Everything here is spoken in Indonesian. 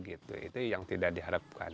itu yang tidak diharapkan